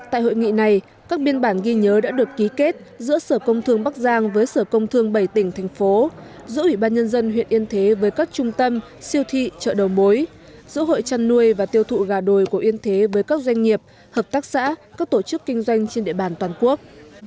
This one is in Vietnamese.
tại hội nghị này các biên bản ghi nhớ đã được ký kết giữa sở công thương bắc giang với sở công thương bảy tỉnh thành phố giữa ủy ban nhân dân huyện yên thế với các trung tâm siêu thị chợ đầu mối giữa hội chăn nuôi và tiêu thụ gà đồi của yên thế với các doanh nghiệp hợp tác xã các tổ chức kinh doanh trên địa bàn toàn quốc